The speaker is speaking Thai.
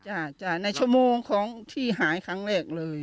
ในชั่วโมงของที่หายครั้งแรกเลย